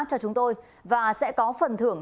cho chúng tôi và sẽ có phần thưởng